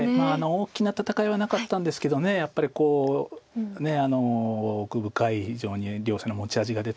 大きな戦いはなかったんですけどやっぱりこう奥深い非常に両者の持ち味が出た好局だったと思います。